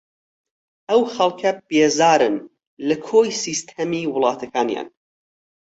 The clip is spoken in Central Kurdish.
ئەو خەڵکە بێزارن لە کۆی سیستەمی وڵاتەکانیان